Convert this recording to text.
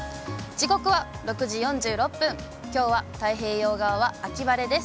時刻は６時４６分、きょうは太平洋側は秋晴れです。